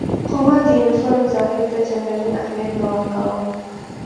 خو ما د یونیفورم ظاهر ته چندانې اهمیت نه ورکاوه.